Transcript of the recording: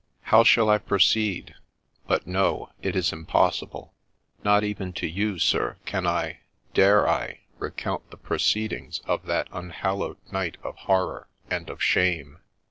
'" How shall I proceed ?— but no, it is impossible, — not even to you, sir, can I—dare I — recount the proceedings of that un hallowed night of horror and of shame.